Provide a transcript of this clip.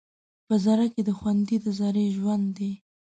په ذره کې دې خوندي د ذرې ژوند دی